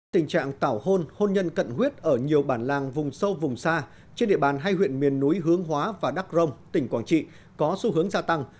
tình trạng tảo hôn hôn nhân cận huyết ở nhiều bản làng vùng sâu vùng xa trên địa bàn hai huyện miền núi hướng hóa và đắk rông tỉnh quảng trị có xu hướng gia tăng